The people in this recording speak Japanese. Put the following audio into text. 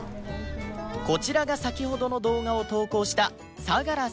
こちらが先ほどの動画を投稿した相良さん